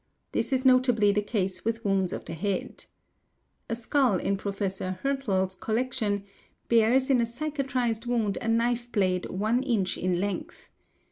This is notably the case with wounds of the head. A skull — in Professor Hyrtl's collection bears in a cicatrised wound a knife blade — one inch in length.